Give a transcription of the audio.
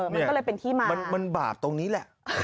มันก็เลยเป็นที่มามันบาปตรงนี้แหละ